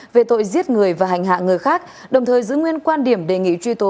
về tội giết người và hành hạ người khác đồng thời giữ nguyên quan điểm đề nghị truy tố